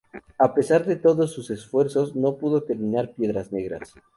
A pesar de todos sus esfuerzos, no pudo terminar “Piedras Negras.